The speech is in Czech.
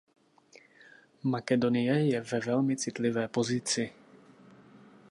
Makedonie je ve velmi citlivé pozici.